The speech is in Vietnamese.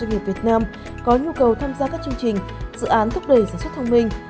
ba mươi sáu tám mươi bốn doanh nghiệp việt nam có nhu cầu tham gia các chương trình dự án thúc đẩy sản xuất thông minh